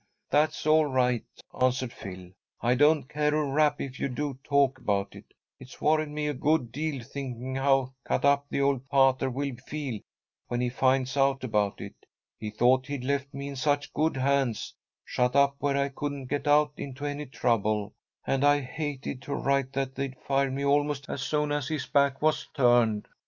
"That's all right," answered Phil. "I don't care a rap if you do talk about it. It's worried me a good deal thinking how cut up the old pater will feel when he finds out about it. He thought he'd left me in such good hands, shut up where I couldn't get out into any trouble, and I hated to write that they'd fired me almost as soon as his back was turned.